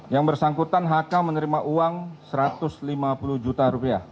yang bersangkutan hk menerima uang rp satu ratus lima puluh juta